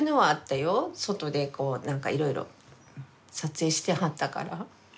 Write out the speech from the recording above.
外でこう何かいろいろ撮影してはったから。